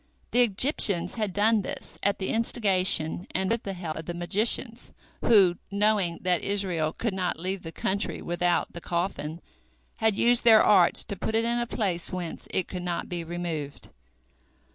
The Egyptians had done this at the instigation and with the help of the magicians, who, knowing that Israel could not leave the country without the coffin, had used their arts to put it in a place whence it could not be removed.